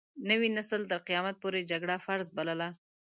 نوي نسل تر قيامت پورې جګړه فرض بلله.